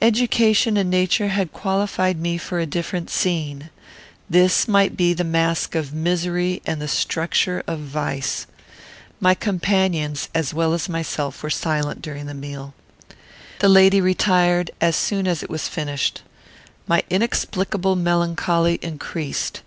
Education and nature had qualified me for a different scene. This might be the mask of misery and the structure of vice. My companions as well as myself were silent during the meal. The lady retired as soon as it was finished. My inexplicable melancholy increased.